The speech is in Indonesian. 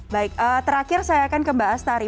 baik terakhir saya akan ke mbak astari